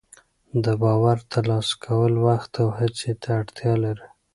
د باور ترلاسه کول وخت او هڅې ته اړتیا لري.